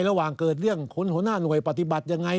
ระหว่างเกิดเรื่องคนหัวหน้าหน่วยปฏิบัติยังไง